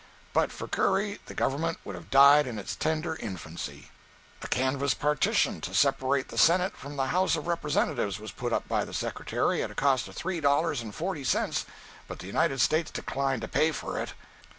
But for Curry the government would have died in its tender infancy. A canvas partition to separate the Senate from the House of Representatives was put up by the Secretary, at a cost of three dollars and forty cents, but the United States declined to pay for it.